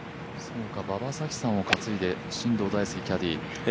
馬場咲希さんをかついで進藤大典キャディー。